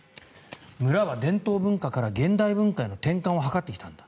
村は伝統文化から現代文化への転換を図ってきたんだ